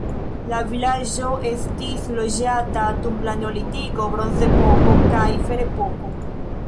La vilaĝo estis loĝata dum la neolitiko, bronzepoko kaj ferepoko.